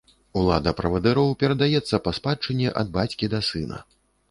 Улада правадыроў перадаецца па спадчыне ад бацькі да сына.